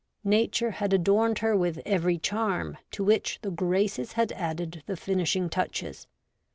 Nature had adorned her with every charm, to which the Graces had added the finishing touches.